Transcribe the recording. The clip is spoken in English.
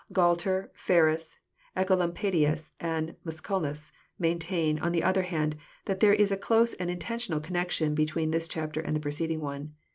Gualter, Ferns, Ecolampadius, and Musculus maintain, on the other hand, that there is a close and intentional connection be tween this chapter and the preceding one.